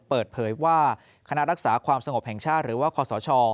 เปิดเผยว่าคณะรักษาความสงบแห่งชาติหรือว่าคศ